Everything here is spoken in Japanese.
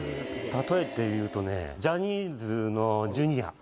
例えて言うとね、ジャニーズのジュニア。